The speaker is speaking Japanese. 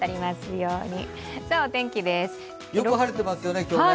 よく晴れてますよね、今日ね。